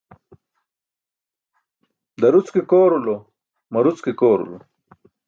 Daruc ke koorulo, maruć ke koorulo.